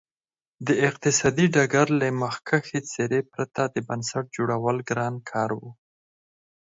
د اقتصادي ډګر له مخکښې څېرې پرته د بنسټ جوړول ګران کار و.